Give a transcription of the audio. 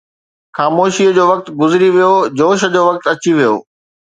خاموشيءَ جو وقت گذري ويو، جوش جو وقت اچي ويو